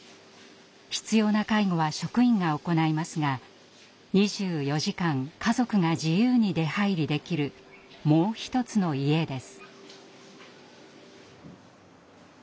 必要な介護は職員が行いますが２４時間家族が自由に出はいりできる「もう一つの家」です。